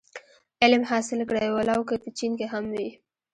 علم حاصل کړی و لو که په چين کي هم وي.